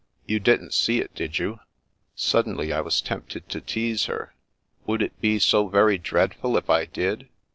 You didn't see it, did you ?" Suddenly I was tempted to tease her. " Would it be so very dreadful if I did